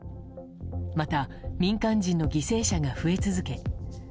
また、民間人の犠牲者が増え続け